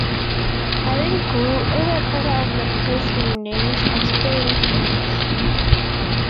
But in Grue, over a quarter of the place names are still in Finnish.